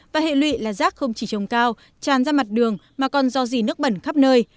và hệ lụy là rác không chỉ trồng cao tràn ra mặt đường mà còn do dì nước bẩn khắp nơi